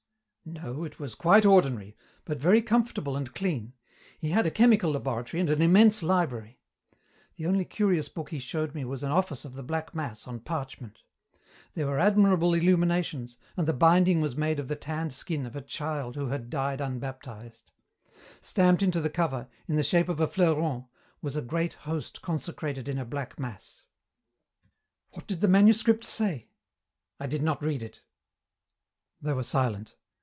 "No, it was quite ordinary, but very comfortable and clean. He had a chemical laboratory and an immense library. The only curious book he showed me was an office of the Black Mass on parchment. There were admirable illuminations, and the binding was made of the tanned skin of a child who had died unbaptized. Stamped into the cover, in the shape of a fleuron, was a great host consecrated in a Black Mass." "What did the manuscript say?" "I did not read it." They were silent.